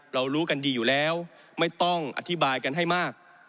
รู้กันดีอยู่แล้วไม่ต้องอธิบายกันให้มาก